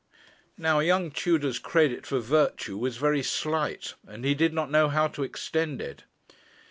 Now young Tudor's credit for virtue was very slight, and he did not know how to extend it.